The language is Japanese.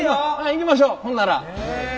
行きましょうほんなら。